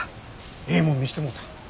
ええもん見してもろた。